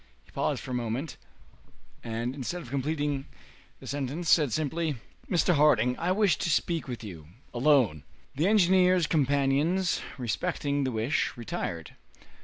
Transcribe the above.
He paused for a moment, and, instead of completing the sentence, said simply, "Mr. Harding, I wish to speak with you alone!" The engineer's companions, respecting the wish, retired.